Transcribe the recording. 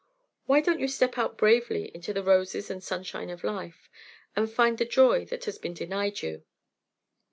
Why don't you step out bravely into the roses and sunshine of life, and find the joy that has been denied you?"